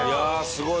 すごい。